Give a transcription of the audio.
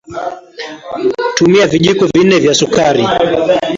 tumia Vijiko vinne vya sukari